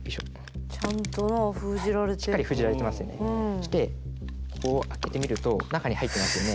そしてこう開けてみると中に入ってますよね。